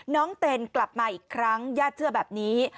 เต็นกลับมาอีกครั้งญาติเชื่อแบบนี้